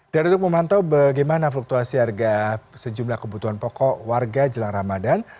dan untuk memantau bagaimana fluktuasi harga sejumlah kebutuhan pokok warga jelang ramadan